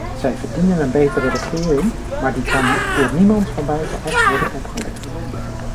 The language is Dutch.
Zij verdienen een betere regering, maar die kan door niemand van buitenaf worden opgelegd.